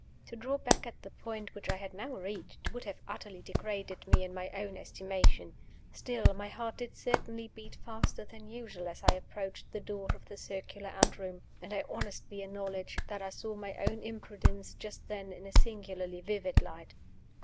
To draw back at the point which I had now reached would have utterly degraded me in my own estimation. Still, my heart did certainly beat faster than usual as I approached the door of the circular anteroom; and I honestly acknowledge that I saw my own imprudence, just then, in a singularly vivid light.